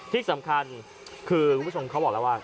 ที่สำคัญคือคุณผู้ชมเขาบอกแล้วว่า